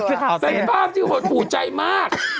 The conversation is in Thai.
เป็นภาพที่หดหูใจมาก